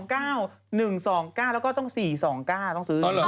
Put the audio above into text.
๒๒๙๑๒๙แล้วก็ต้อง๔๒๙ต้องซื้อเป็นชุด